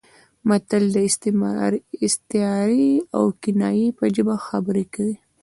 متل د استعارې او کنایې په ژبه خبرې کوي